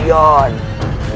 dan raden kiansanta